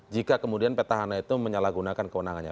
jika kemudian petahana itu menyalahgunakan kewenangannya